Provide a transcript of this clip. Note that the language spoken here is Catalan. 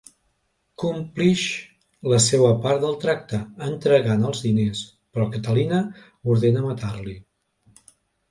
Complix la seua part del tracte entregant els diners, però Catalina ordena matar-li.